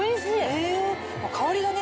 香りがね。